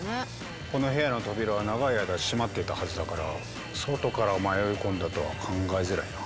この部屋の扉は長い間閉まっていたはずだから外から迷い込んだとは考えづらいな。